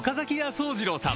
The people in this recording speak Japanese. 惣次郎さん